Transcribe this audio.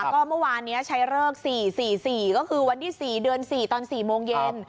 ก็เมื่อวานเนี้ยใช้เลิกสี่สี่สี่ก็คือวันที่สี่เดือนสี่ตอนสี่โมงเย็น